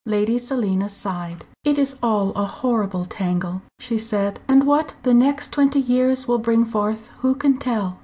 Lady Selina sighed. "It is all a horrible tangle," she said, "and what the next twenty years will bring forth who can tell?